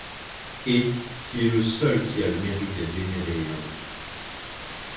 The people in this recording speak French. Et, qu'il est le seul qui a le mérite d'être vénéré et invoqué.